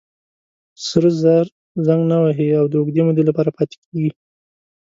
سره زر زنګ نه وهي او د اوږدې مودې لپاره پاتې کېږي.